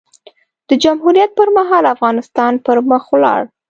د جمهوریت پر مهال؛ افغانستان پر مخ ولاړ.